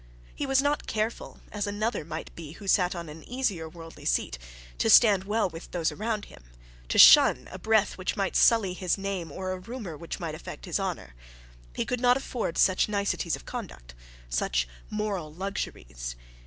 He was not careful, as another might be who sat on an easier worldly seat, to stand well with those around him, to shun a breath which might sully his name, or a rumour which might affect his honour. He could not afford such niceties of conduct, such moral luxuries.